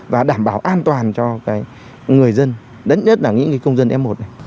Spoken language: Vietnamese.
và đảm bảo an toàn cho người dân đất nhất là những công dân m một